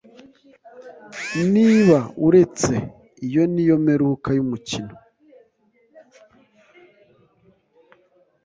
Niba uretse, iyo niyo mperuka yumukino.